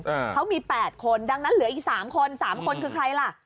อ่าเขามีแปดคนดังนั้นเหลืออีกสามคนสามคนคือใครล่ะ